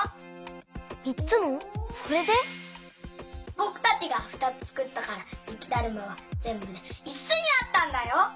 ぼくたちがふたつつくったからゆきだるまはぜんぶでいつつになったんだよ。